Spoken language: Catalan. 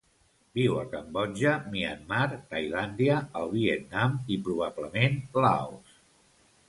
Viu a Cambodja, Myanmar, Tailàndia, el Vietnam i, probablement, Laos.